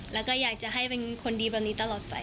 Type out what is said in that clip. แล้วก็อยากจะให้เป็นคนดีแบบนี้ตลอดไป